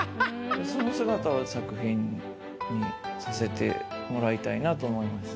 その姿を作品にさせてもらいたいなと思います。